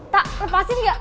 tak lepasin gak